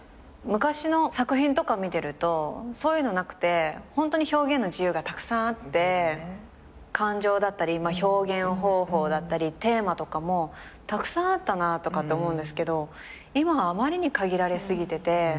昔の作品とか見てるとそういうのなくてホントに表現の自由がたくさんあって感情だったり表現方法だったりテーマとかもたくさんあったなとかって思うんですけど今はあまりに限られすぎてて。